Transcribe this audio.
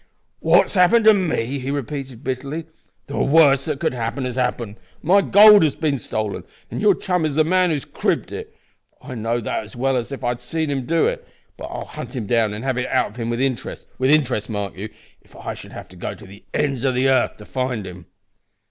"What has happened to me?" he repeated, bitterly. "The worst that could happen has happened. My gold has been stolen, and your chum is the man who has cribbed it. I know that as well as if I had seen him do it. But I'll hunt him down and have it out of him with interest; with interest, mark you if I should have to go to the ends o' the 'arth to find him."